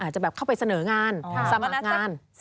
อาจจะแบบเข้าไปเสน่างานสมัครงาน